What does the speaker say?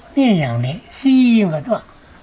นี่อย่างนี้ซีมันก็ดูอ่ะ